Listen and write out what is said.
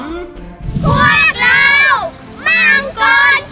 พวกเราบางกอนจิ๋ว